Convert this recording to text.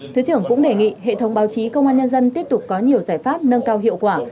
thứ trưởng cũng đề nghị hệ thống báo chí công an nhân dân tiếp tục có nhiều giải pháp nâng cao hiệu quả